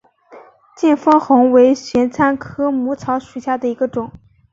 见风红为玄参科母草属下的一个种。